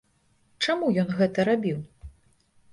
Чаму ён гэта рабіў?